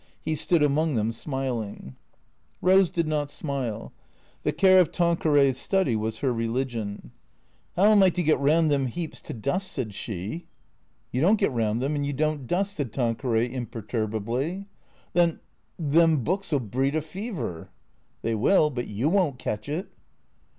He stood among them smiling. Eose did not smile. The care of Tanqueray's study was her religion. T H E C E E A T 0 E S 371 "How am I to get round them 'eaps to dust? " said she. " You don't get round them, and you don't dust," said Tan queray imperturbably. " Then — them books '11 breed a fever." " They will. But you won't catch it."